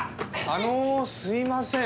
あのすいません。